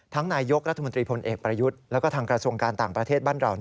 นายยกรัฐมนตรีพลเอกประยุทธ์แล้วก็ทางกระทรวงการต่างประเทศบ้านเรา